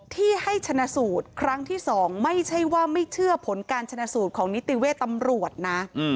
ที่ให้ชนะสูตรครั้งที่๒ไม่ใช่ว่าไม่เชื่อผลการชนะสูตรของนิติเวทย์ตำรวจนะ